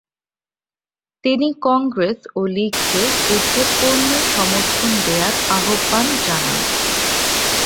তিনি কংগ্রেস ও লীগকে যুদ্ধে পূর্ণ সমর্থন দেয়ার আহ্বান জানান।